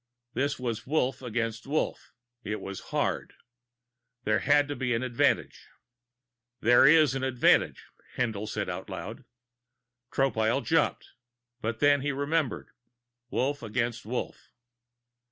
This was Wolf against Wolf; it was hard. There had to be an advantage "There is an advantage," Haendl said aloud. Tropile jumped, but then he remembered: Wolf against Wolf.